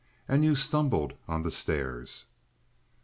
And you stumbled on the stairs."